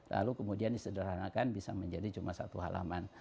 lalu kemudian disederhanakan bisa menjadi cuma satu halaman